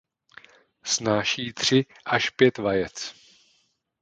Snáší tři až pět vajec.